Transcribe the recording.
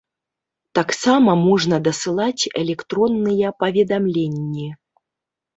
Таксама можна дасылаць электронныя паведамленні.